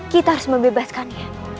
kita harus membebaskannya